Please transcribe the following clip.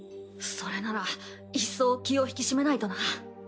それなら一層気を引き締めないとな。